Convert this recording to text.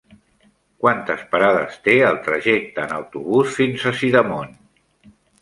Quantes parades té el trajecte en autobús fins a Sidamon?